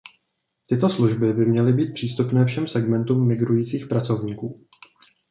Tyto služby by měly být přístupné všem segmentům migrujících pracovníků.